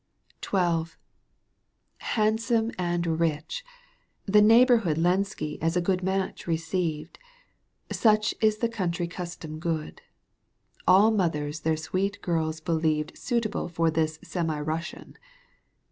Handsome and rich, the neighbourhood Lenski as a good match received, — Such is the country custom good ; АЦ mothers their sweet girls believed Suitable for this semi Kussian.